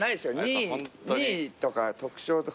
２位とか特賞とか。